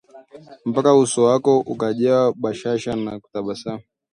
Mpaka uso wako ukajawa bashasha na kutabasamu